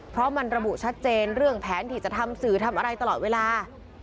เพราะมันระบุชัดเจนเรื่องแผนที่จะทำสื่อทำอะไรตลอดเวลา